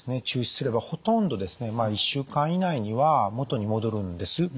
中止すればほとんどですね１週間以内には元に戻るんです。